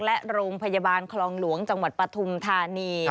และโรงพยาบาลคลองหลวงจังหวัดปฐุมธานี